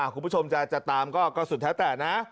อ๋อคุณผู้ชมจาจะตามก็สุดแท้นะ